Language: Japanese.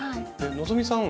希さん